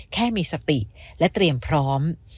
แค่มีสติและเตรียมพร้อม